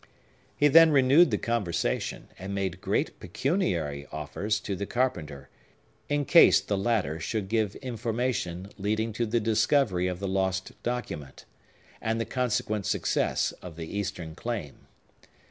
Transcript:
He then renewed the conversation, and made great pecuniary offers to the carpenter, in case the latter should give information leading to the discovery of the lost document, and the consequent success of the Eastern claim.